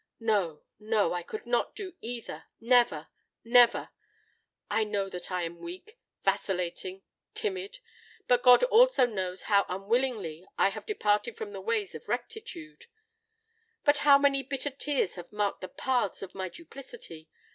No—no—I could not do either:—never—never! I know that I am weak—vacillating—timid! But God also knows how unwillingly I have departed from the ways of rectitude—how many bitter tears have marked the paths of my duplicity!